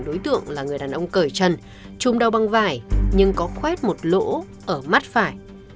đối tượng là người đàn ông cởi chân chùm đau băng vải nhưng có khoét một lỗ ở mắt phải